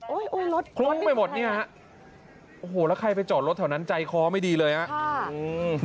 อุ้ยรถคลุ้งไปหมดเนี่ยฮะโอ้โหแล้วใครไปจอดรถแถวนั้นใจคอไม่ดีเลยฮะอ่า